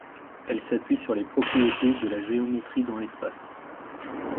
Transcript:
Elle s'appuie sur les propriétés de la géométrie dans l'espace.